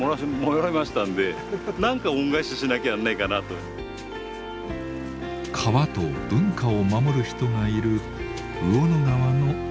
もう川と文化を守る人がいる魚野川のほとりです。